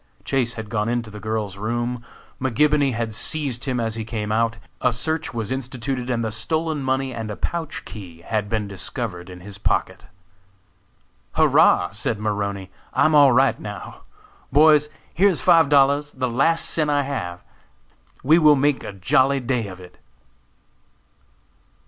Chase had gone into the girl's room, McGibony had seized him as he came out, a search was instituted and the stolen money and a pouch key had been discovered in his pocket. "Hurrah!" said Maroney, "I am all right now! Boys, here is five dollars, the last cent I have! We will make a jolly day of it."